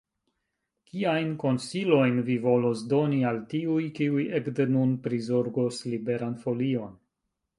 Kiajn konsilojn vi volus doni al tiuj, kiuj ekde nun prizorgos Liberan Folion?